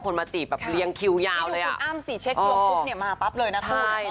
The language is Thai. คนมาจีบเรียงคิวยาวเลย